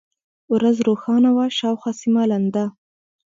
ورځ روښانه وه، شاوخوا سیمه لنده.